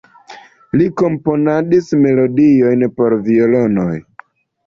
Li komponadis melodiojn por violonoj.